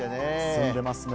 澄んでますね。